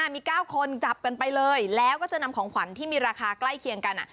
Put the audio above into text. มี๙คนจับกันไปเลยแล้วก็จะนำของขวัญที่มีราคาใกล้เคียงกัน